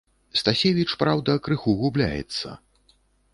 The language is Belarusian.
Стасевіч, праўда, крыху губляецца.